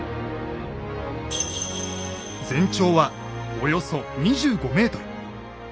全長はおよそ２５ｍ。